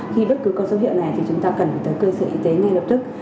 khi bất cứ có dấu hiệu này thì chúng ta cần phải tới cơ sở y tế ngay lập tức